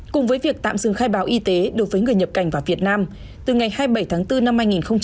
cùng với việc tạm dừng khai báo y tế đối với người nhập cảnh vào việt nam từ ngày hai mươi bảy tháng bốn năm hai nghìn hai mươi